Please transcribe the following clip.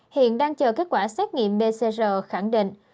hiện đang chờ kết quả xét nghiệm pcr khẳng định